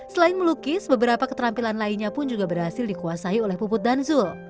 selain melukis beberapa keterampilan lainnya pun juga berhasil dikuasai oleh puput dan zul